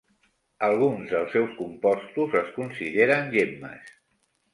Alguns dels seus compostos es consideren gemmes.